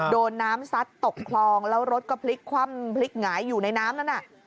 โดนน้ำซัดตกคลองแล้วรถก็พลิกคว่ำพลิกหงายอยู่ในน้ำนั้นน่ะ